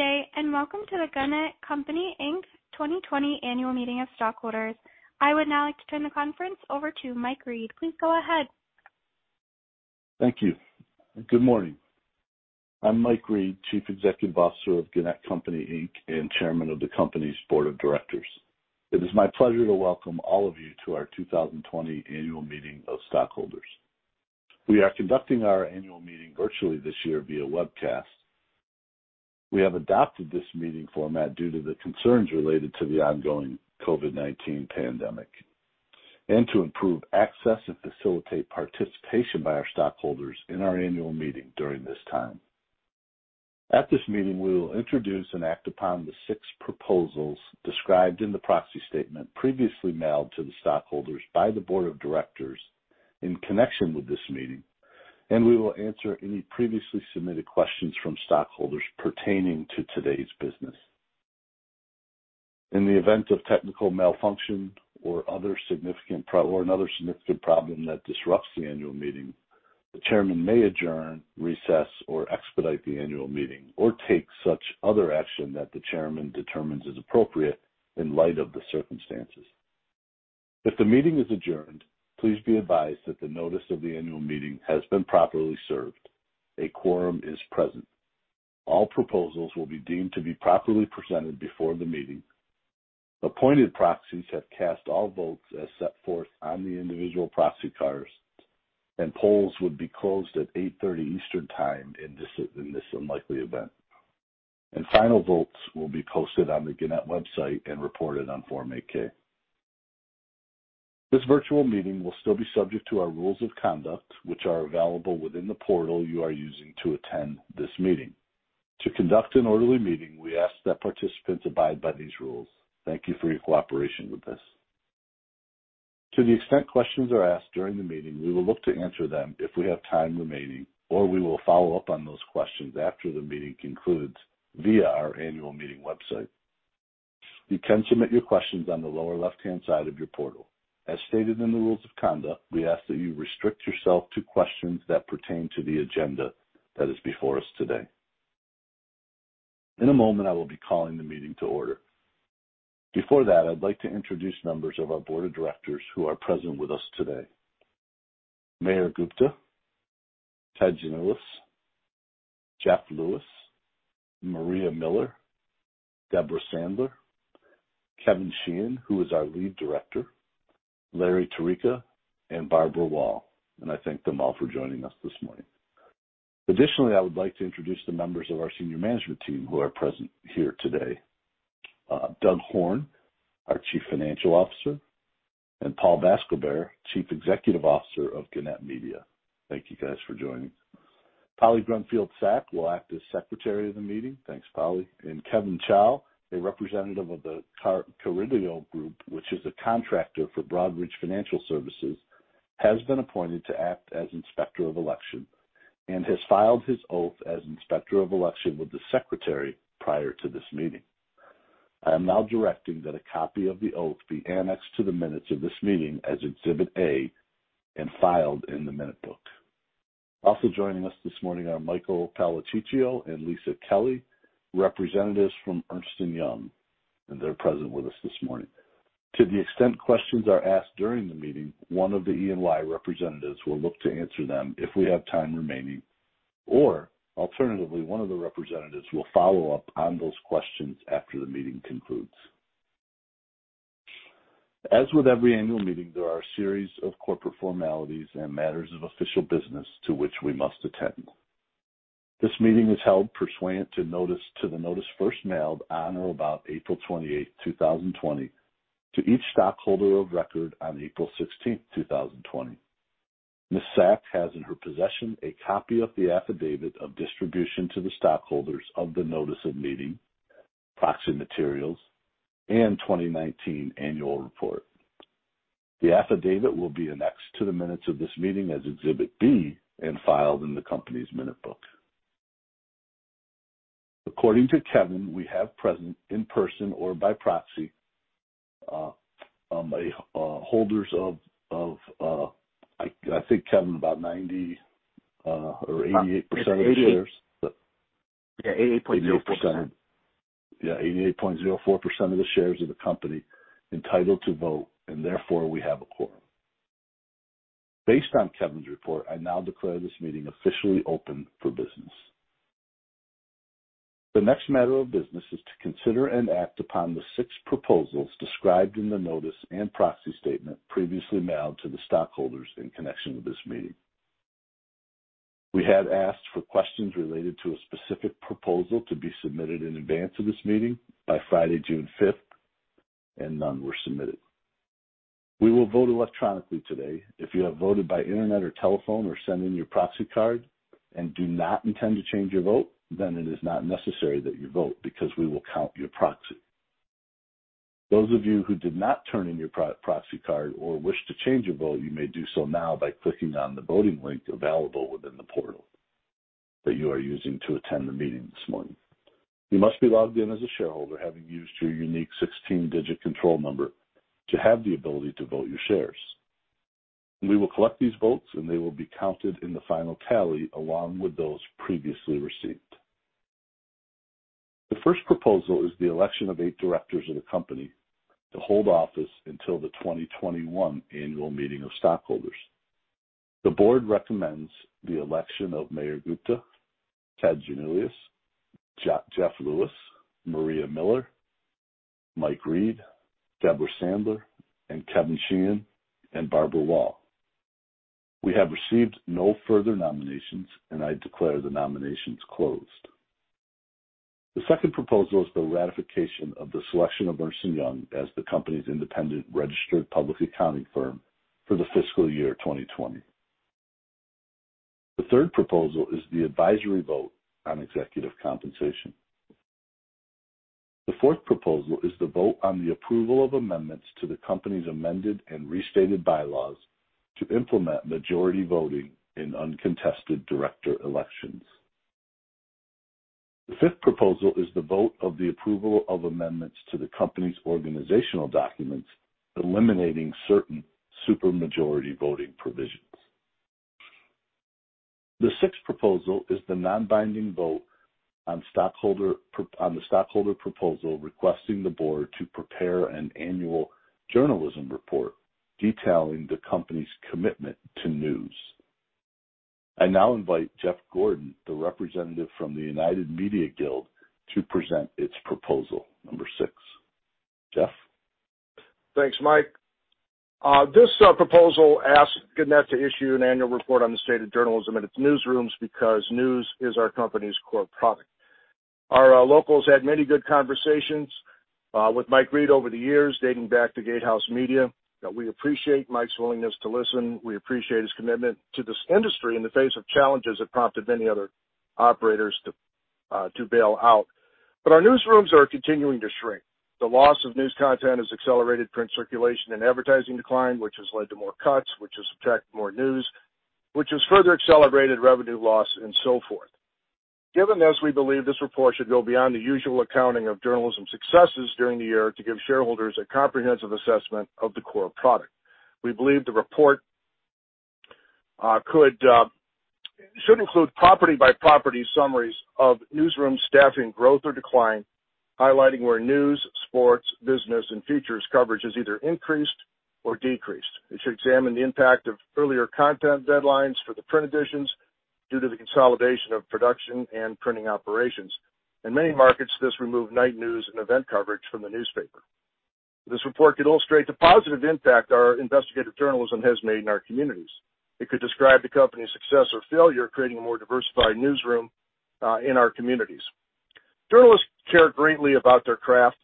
Good day. Welcome to the Gannett Company Inc. 2020 Annual Meeting of Stockholders. I would now like to turn the conference over to Mike Reed. Please go ahead. Thank you. Good morning. I'm Mike Reed, Chief Executive Officer of Gannett Company Inc., and Chairman of the company's Board of Directors. It is my pleasure to welcome all of you to our 2020 annual meeting of stockholders. We are conducting our annual meeting virtually this year via webcast. We have adopted this meeting format due to the concerns related to the ongoing COVID-19 pandemic, to improve access and facilitate participation by our stockholders in our annual meeting during this time. At this meeting, we will introduce and act upon the six proposals described in the proxy statement previously mailed to the stockholders by the board of directors in connection with this meeting, and we will answer any previously submitted questions from stockholders pertaining to today's business. In the event of technical malfunction or another significant problem that disrupts the annual meeting, the chairman may adjourn, recess, or expedite the annual meeting, or take such other action that the chairman determines is appropriate in light of the circumstances. If the meeting is adjourned, please be advised that the notice of the annual meeting has been properly served. A quorum is present. All proposals will be deemed to be properly presented before the meeting. Appointed proxies have cast all votes as set forth on the individual proxy cards, and polls would be closed at 8:30 Eastern Time in this unlikely event. Final votes will be posted on the Gannett website and reported on Form 8-K. This virtual meeting will still be subject to our rules of conduct, which are available within the portal you are using to attend this meeting. To conduct an orderly meeting, we ask that participants abide by these rules. Thank you for your cooperation with this. To the extent questions are asked during the meeting, we will look to answer them if we have time remaining, or we will follow up on those questions after the meeting concludes via our annual meeting website. You can submit your questions on the lower left-hand side of your portal. As stated in the rules of conduct, we ask that you restrict yourself to questions that pertain to the agenda that is before us today. In a moment, I will be calling the meeting to order. Before that, I'd like to introduce members of our board of directors who are present with us today. Mayur Gupta, Ted Janulis, Jeff Louis, Maria Miller, Debra Sandler, Kevin Sheehan, who is our Lead Director, Larry Tarica, and Barbara Wall, and I thank them all for joining us this morning. Additionally, I would like to introduce the members of our senior management team who are present here today. Doug Horne, our Chief Financial Officer, and Paul Bascobert, Chief Executive Officer of Gannett Media. Thank you guys for joining. Polly Grunfeld Sack will act as Secretary of the Meeting. Thanks, Polly. Kevin Chau, a representative of the Carideo Group, which is a contractor for Broadridge Financial Solutions, has been appointed to act as Inspector of Election and has filed his oath as Inspector of Election with the Secretary prior to this meeting. I am now directing that a copy of the oath be annexed to the minutes of this meeting as Exhibit A and filed in the minute book. Also joining us this morning are Michael Policicchio and Lisa Kelly, representatives from Ernst & Young, and they're present with us this morning. To the extent questions are asked during the meeting, one of the EY representatives will look to answer them if we have time remaining, or alternatively, one of the representatives will follow up on those questions after the meeting concludes. As with every annual meeting, there are a series of corporate formalities and matters of official business to which we must attend. This meeting is held pursuant to the notice first mailed on or about April 28th, 2020, to each stockholder of record on April 16th, 2020. Ms. Sack has in her possession a copy of the affidavit of distribution to the stockholders of the notice of meeting, proxy materials, and 2019 annual report. The affidavit will be annexed to the minutes of this meeting as Exhibit B and filed in the company's minute book. According to Kevin, we have present in person or by proxy, holders of, I think, Kevin, about 90 or 88% of shares. Yeah, 88.04%. Yeah, 88.04% of the shares of the company entitled to vote. Therefore, we have a quorum. Based on Kevin's report, I now declare this meeting officially open for business. The next matter of business is to consider and act upon the six proposals described in the notice and proxy statement previously mailed to the stockholders in connection with this meeting. We had asked for questions related to a specific proposal to be submitted in advance of this meeting by Friday, June 5th. None were submitted. We will vote electronically today. If you have voted by internet or telephone or sent in your proxy card and do not intend to change your vote, it is not necessary that you vote because we will count your proxy. Those of you who did not turn in your proxy card or wish to change your vote, you may do so now by clicking on the voting link available within the portal that you are using to attend the meeting this morning. You must be logged in as a shareholder, having used your unique 16-digit control number to have the ability to vote your shares. We will collect these votes, and they will be counted in the final tally along with those previously received. The first proposal is the election of eight directors of the company to hold office until the 2021 annual meeting of stockholders. The board recommends the election of Mayur Gupta, Ted Janulis, Jeff Louis, Maria Miller, Mike Reed, Debra Sandler, Kevin Sheehan, and Barbara Wall. I declare the nominations closed. The second proposal is the ratification of the selection of Ernst & Young as the company's independent registered public accounting firm for the fiscal year 2020. The third proposal is the advisory vote on executive compensation. The fourth proposal is the vote on the approval of amendments to the company's amended and restated bylaws to implement majority voting in uncontested director elections. The fifth proposal is the vote of the approval of amendments to the company's organizational documents, eliminating certain supermajority voting provisions. The sixth proposal is the non-binding vote on the stockholder proposal requesting the board to prepare an annual journalism report detailing the company's commitment to news. I now invite Jeff Gordon, the representative from the United Media Guild, to present its proposal number six. Jeff? Thanks, Mike. This proposal asks Gannett to issue an annual report on the state of journalism in its newsrooms because news is our company's core product. Our locals had many good conversations with Mike Reed over the years, dating back to GateHouse Media. We appreciate Mike's willingness to listen. We appreciate his commitment to this industry in the face of challenges that prompted many other operators to bail out. Our newsrooms are continuing to shrink. The loss of news content has accelerated print circulation and advertising decline, which has led to more cuts, which has attract more news, which has further accelerated revenue loss and so forth. Given this, we believe this report should go beyond the usual accounting of journalism successes during the year to give shareholders a comprehensive assessment of the core product. We believe the report should include property-by-property summaries of newsroom staffing growth or decline, highlighting where news, sports, business, and features coverage has either increased or decreased. It should examine the impact of earlier content deadlines for the print editions due to the consolidation of production and printing operations. In many markets, this removed night news and event coverage from the newspaper. This report could illustrate the positive impact our investigative journalism has made in our communities. It could describe the company's success or failure creating a more diversified newsroom in our communities. Journalists care greatly about their craft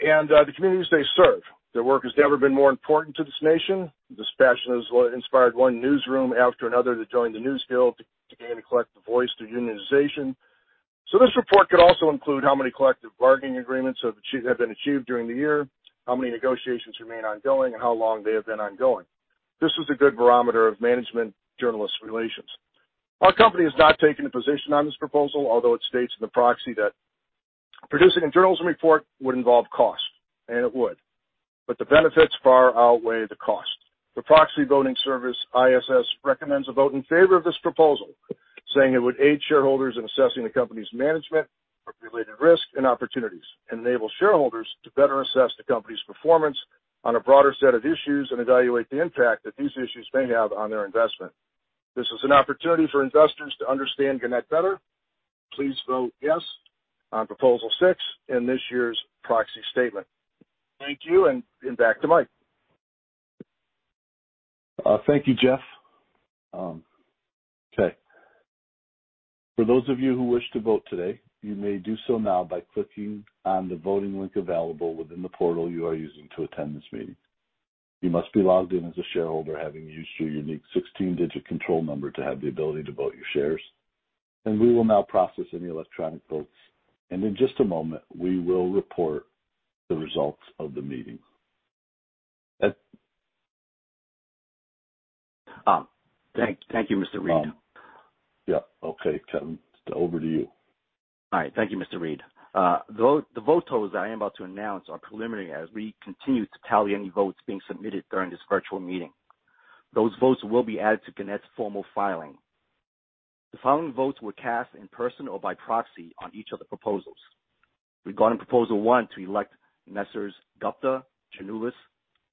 and the communities they serve. Their work has never been more important to this nation. This passion has inspired one newsroom after another to join the NewsGuild to gain a collective voice through unionization. This report could also include how many collective bargaining agreements have been achieved during the year, how many negotiations remain ongoing, and how long they have been ongoing. This is a good barometer of management-journalist relations. Our company has not taken a position on this proposal, although it states in the proxy that producing a journalism report would involve cost, and it would. The benefits far outweigh the cost. The proxy voting service ISS recommends a vote in favor of this proposal, saying it would aid shareholders in assessing the company's management for related risks and opportunities and enable shareholders to better assess the company's performance on a broader set of issues and evaluate the impact that these issues may have on their investment. This is an opportunity for investors to understand Gannett better. Please vote yes on proposal six in this year's proxy statement. Thank you, and back to Mike. Thank you, Jeff. Okay. For those of you who wish to vote today, you may do so now by clicking on the voting link available within the portal you are using to attend this meeting. You must be logged in as a shareholder, having used your unique 16-digit control number to have the ability to vote your shares. We will now process any electronic votes, and in just a moment, we will report the results of the meeting. Thank you, Mr. Reed. Yeah. Okay, Kevin, over to you. All right. Thank you, Mr. Reed. The vote totals that I am about to announce are preliminary as we continue to tally any votes being submitted during this virtual meeting. Those votes will be added to Gannett's formal filing. The following votes were cast in person or by proxy on each of the proposals. Regarding proposal one to elect Messrs. Gupta, Janulis,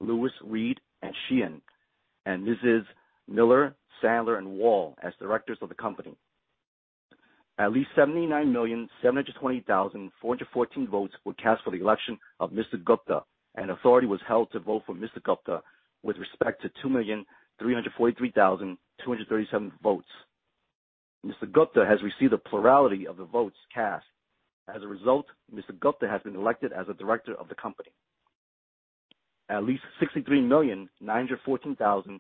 Louis, Reed, and Sheehan, and Mss. Miller, Sandler, and Wall as directors of the company. At least 79,720,414 votes were cast for the election of Mr. Gupta, and authority was held to vote for Mr. Gupta with respect to 2,343,237 votes. Mr. Gupta has received a plurality of the votes cast. As a result, Mr. Gupta has been elected as a director of the company. At least 63,914,745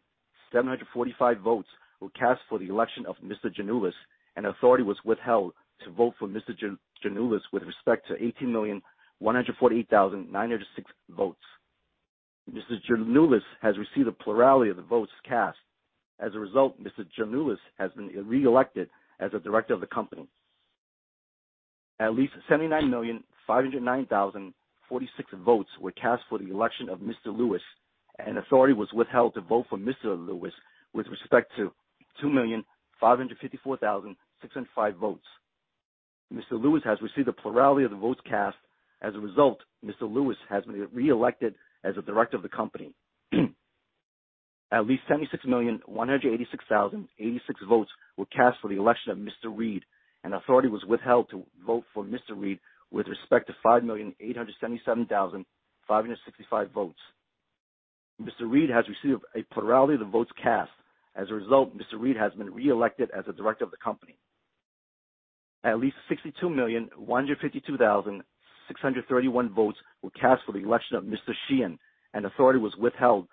votes were cast for the election of Mr. Janulis, and authority was withheld to vote for Mr. Janulis with respect to 18,148,906 votes. Mr. Janulis has received a plurality of the votes cast. As a result, Mr. Janulis has been reelected as a director of the company. At least 79,509,046 votes were cast for the election of Mr. Louis, and authority was withheld to vote for Mr. Louis with respect to 2,554,605 votes. Mr. Louis has received the plurality of the votes cast. As a result, Mr. Louis has been reelected as a director of the company. At least 76,186,086 votes were cast for the election of Mr. Reed, and authority was withheld to vote for Mr. Reed with respect to 5,877,565 votes. Mr. Reed has received a plurality of the votes cast. As a result, Mr. Reed has been reelected as a director of the company. At least 62,152,631 votes were cast for the election of Mr. Sheehan, and authority was withheld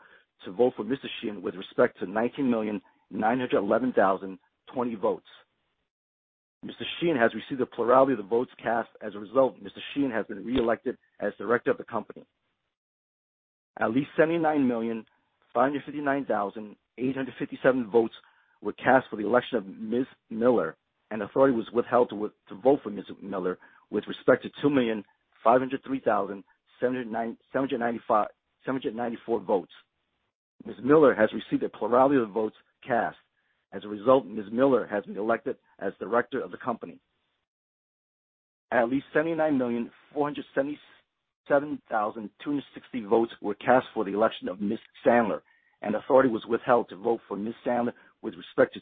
to vote for Mr. Sheehan with respect to 19,911,020 votes. Mr. Sheehan has received a plurality of the votes cast. As a result, Mr. Sheehan has been reelected as director of the company. At least 79,559,857 votes were cast for the election of Ms. Miller, and authority was withheld to vote for Ms. Miller with respect to 2,503,794 votes. Ms. Miller has received a plurality of the votes cast. As a result, Ms. Miller has been elected as director of the company. At least 79,477,260 votes were cast for the election of Ms. Sandler, and authority was withheld to vote for Ms. Sandler with respect to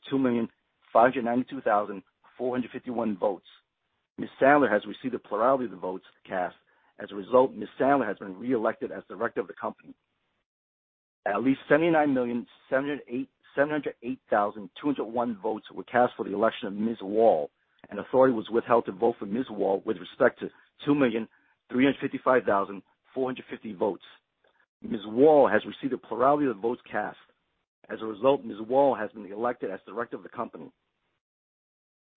2,592,451 votes. Ms. Sandler has received a plurality of the votes cast. As a result, Ms. Sandler has been reelected as director of the company. At least 79,708,201 votes were cast for the election of Ms. Wall, and authority was withheld to vote for Ms. Wall with respect to 2,355,450 votes. Ms. Wall has received a plurality of the votes cast. As a result, Ms. Wall has been elected as director of the company.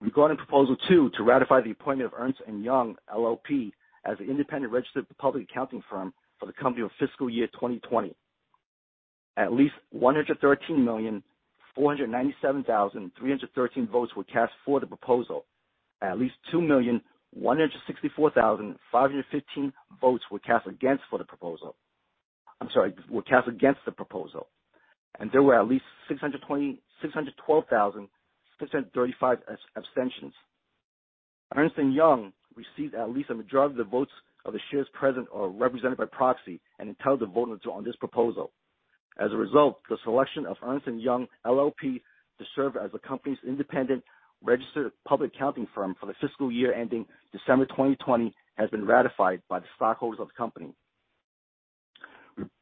Regarding Proposal 2, to ratify the appointment of Ernst & Young LLP as the independent registered public accounting firm for the company for fiscal year 2020. At least 113,497,313 votes were cast for the proposal. At least 2,164,515 votes were cast against the proposal. There were at least 612,635 abstentions. Ernst & Young received at least a majority of the votes of the shares present or represented by proxy and entitled to vote on this proposal. As a result, the selection of Ernst & Young LLP to serve as the company's independent registered public accounting firm for the fiscal year ending December 2020 has been ratified by the stockholders of the company.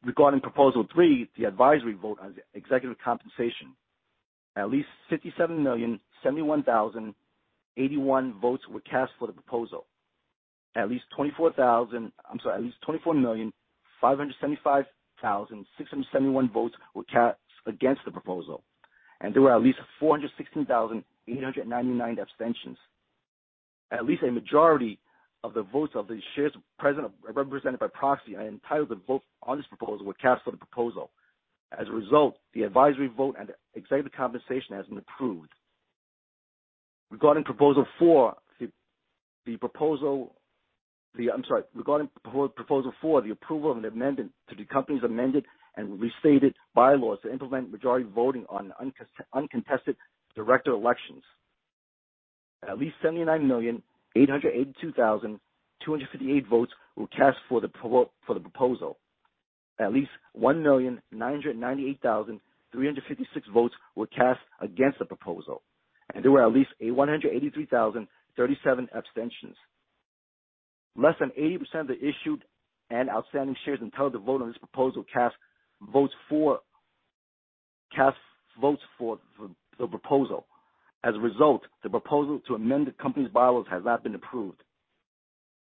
Regarding Proposal 3, the advisory vote on the executive compensation. At least 24,575,671 votes were cast against the proposal, and there were at least 416,899 abstentions. At least a majority of the votes of the shares present or represented by proxy and entitled to vote on this proposal were cast for the proposal. As a result, the advisory vote on the executive compensation has been approved. Regarding Proposal 4, the approval of an amendment to the company's amended and restated bylaws to implement majority voting on uncontested director elections. At least 79,882,258 votes were cast for the proposal. At least 1,998,356 votes were cast against the proposal, and there were at least 183,037 abstentions. Less than 80% of the issued and outstanding shares entitled to vote on this proposal cast votes for the proposal. The proposal to amend the company's bylaws has not been approved.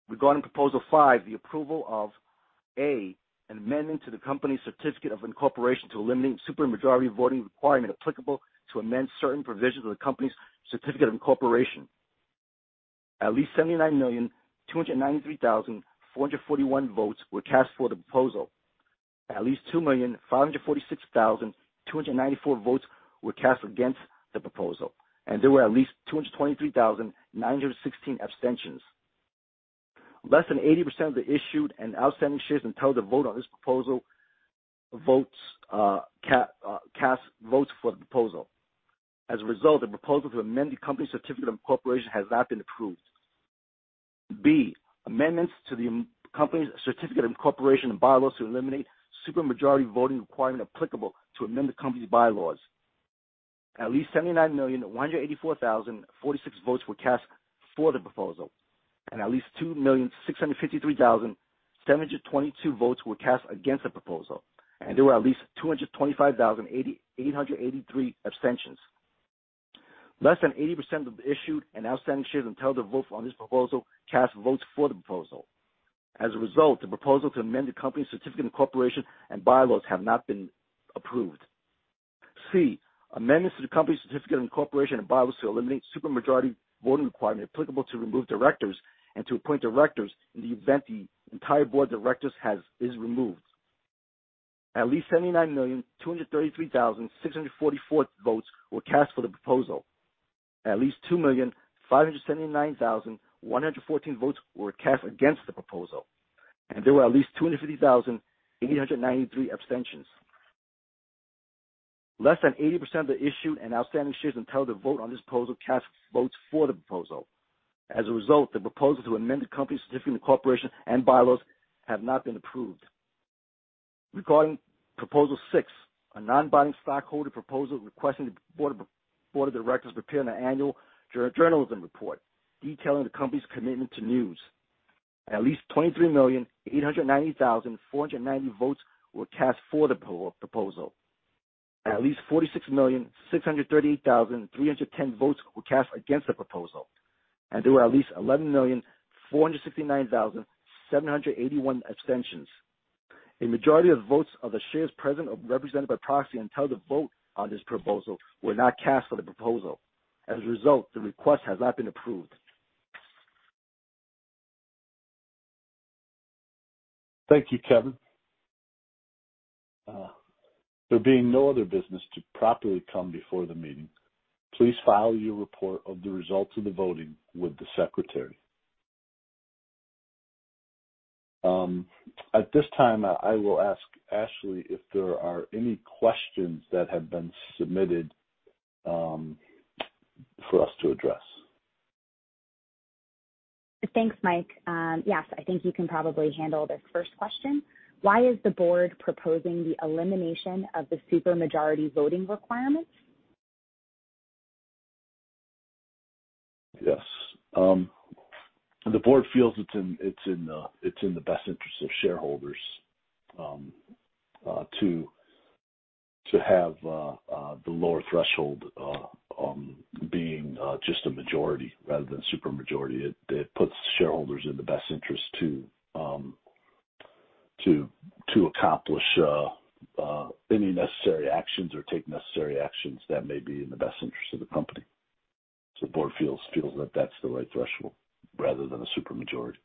Regarding Proposal 5, the approval of A, an amendment to the company's certificate of incorporation to eliminate supermajority voting requirement applicable to amend certain provisions of the company's certificate of incorporation. At least 79,293,441 votes were cast for the proposal. At least 2,546,294 votes were cast against the proposal, there were at least 223,916 abstentions. Less than 80% of the issued and outstanding shares entitled to vote on this proposal cast votes for the proposal. The proposal to amend the company's certificate of incorporation has not been approved. B, amendments to the company's certificate of incorporation and bylaws to eliminate supermajority voting requirement applicable to amend the company's bylaws. At least 79,184,046 votes were cast for the proposal, and at least 2,653,722 votes were cast against the proposal, and there were at least 225,883 abstentions. Less than 80% At least 46,638,310 votes were cast against the proposal, and there were at least 11,469,781 abstentions. A majority of votes of the shares present or represented by proxy entitled to vote on this proposal were not cast for the proposal. As a result, the request has not been approved. Thank you, Kevin. There being no other business to properly come before the meeting, please file your report of the results of the voting with the secretary. At this time, I will ask Ashley if there are any questions that have been submitted for us to address. Thanks, Mike. Yes, I think you can probably handle this first question. Why is the board proposing the elimination of the supermajority voting requirements? Yes. The board feels it's in the best interest of shareholders to have the lower threshold being just a majority rather than supermajority. It puts shareholders in the best interest to accomplish any necessary actions or take necessary actions that may be in the best interest of the company. The board feels that that's the right threshold rather than a supermajority.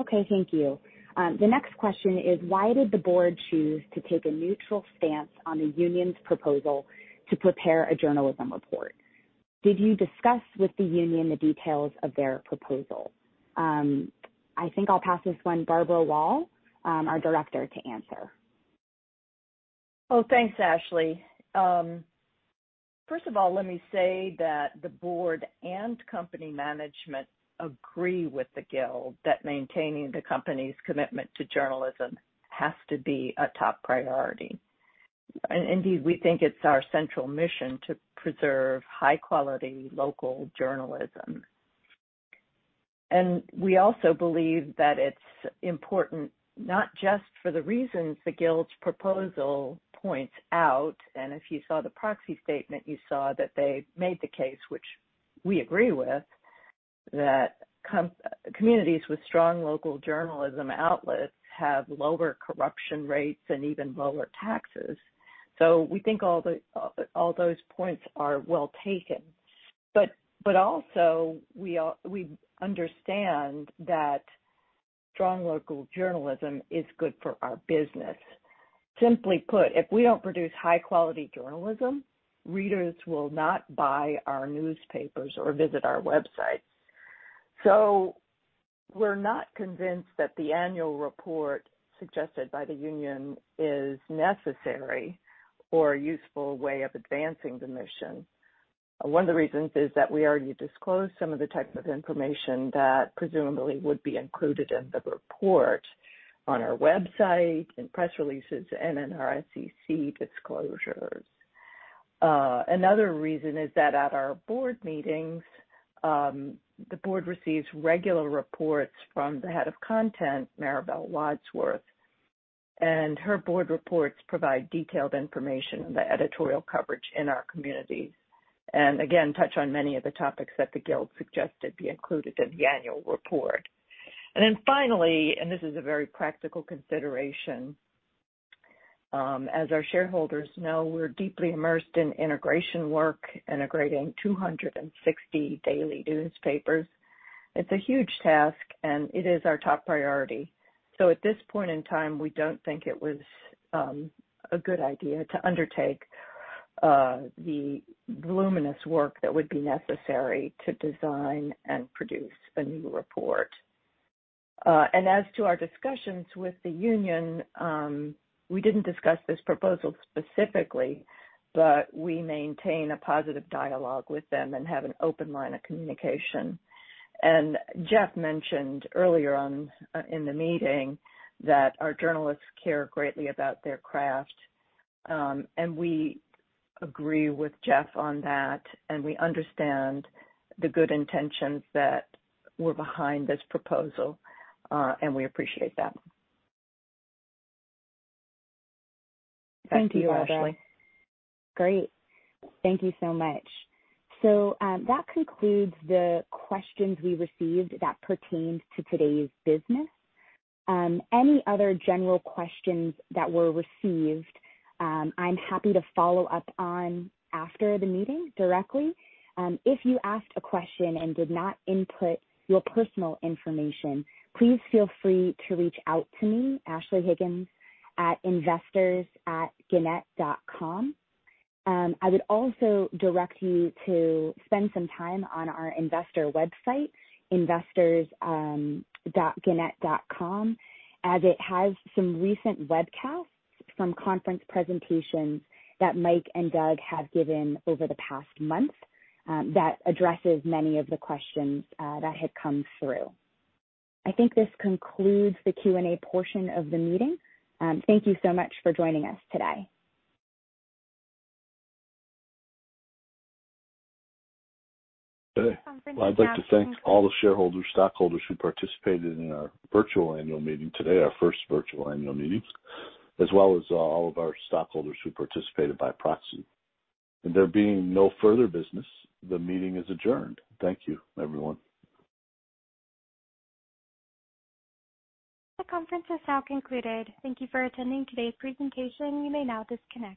Okay. Thank you. The next question is, why did the board choose to take a neutral stance on the union's proposal to prepare a journalism report? Did you discuss with the union the details of their proposal? I think I'll pass this one, Barbara Wall, our Director, to answer. Oh, thanks, Ashley. First of all, let me say that the board and company management agree with the Guild that maintaining the company's commitment to journalism has to be a top priority. Indeed, we think it's our central mission to preserve high-quality local journalism. We also believe that it's important not just for the reasons the Guild's proposal points out, and if you saw the proxy statement, you saw that they made the case, which we agree with, that communities with strong local journalism outlets have lower corruption rates and even lower taxes. We think all those points are well taken. Also, we understand that strong local journalism is good for our business. Simply put, if we don't produce high-quality journalism, readers will not buy our newspapers or visit our website. We're not convinced that the annual report suggested by the union is necessary or a useful way of advancing the mission. One of the reasons is that we already disclosed some of the types of information that presumably would be included in the report on our website, in press releases, and in our SEC disclosures. Another reason is that at our board meetings, the board receives regular reports from the Head of Content, Maribel Wadsworth. Her board reports provide detailed information on the editorial coverage in our communities, and again, touch on many of the topics that the Guild suggested be included in the annual report. Finally, and this is a very practical consideration, as our shareholders know, we're deeply immersed in integration work, integrating 260 daily newspapers. It's a huge task, and it is our top priority. At this point in time, we don't think it was a good idea to undertake the voluminous work that would be necessary to design and produce a new report. As to our discussions with the union, we didn't discuss this proposal specifically, but we maintain a positive dialogue with them and have an open line of communication. Jeff mentioned earlier in the meeting that our journalists care greatly about their craft, and we agree with Jeff on that, and we understand the good intentions that were behind this proposal, and we appreciate that. Thank you, Barbara. Back to you, Ashley. Great. Thank you so much. That concludes the questions we received that pertained to today's business. Any other general questions that were received, I'm happy to follow up on after the meeting directly. If you asked a question and did not input your personal information, please feel free to reach out to me, Ashley Higgins, at investors@gannett.com. I would also direct you to spend some time on our investor website, investors.gannett.com, as it has some recent webcasts from conference presentations that Mike and Doug have given over the past month that addresses many of the questions that had come through. I think this concludes the Q&A portion of the meeting. Thank you so much for joining us today. I'd like to thank all the shareholders, stockholders who participated in our virtual annual meeting today, our first virtual annual meeting, as well as all of our stockholders who participated by proxy. There being no further business, the meeting is adjourned. Thank you, everyone. The conference is now concluded. Thank you for attending today's presentation. You may now disconnect.